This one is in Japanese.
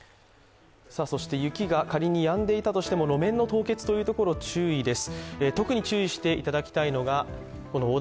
雪が仮にやんでいたとしても路面の凍結、注意です。